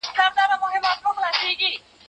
که ښځې موټر چلول زده کړي نو په تمه به نه وي.